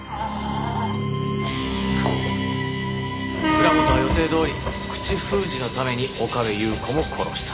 浦本は予定どおり口封じのために岡部祐子も殺した。